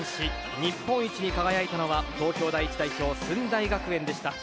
日本一に輝いたのは東京第１代表・駿台学園でした。